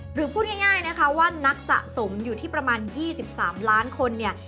พูดง่ายนะคะว่านักสะสมอยู่ที่ประมาณ๒๓ล้านคนเนี่ย